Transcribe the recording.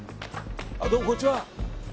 どうも、こんにちは。